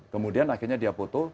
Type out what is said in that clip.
kemudian akhirnya dia foto